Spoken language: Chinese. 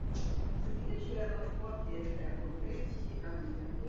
毛轴藏匐柳为杨柳科柳属下的一个变种。